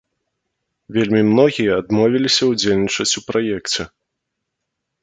Вельмі многія адмовіліся ўдзельнічаць у праекце.